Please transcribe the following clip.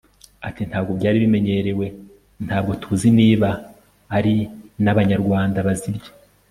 ati ntabwo byari bimenyerewe ntabwo tuzi niba ari n'abanyarwanda bazirya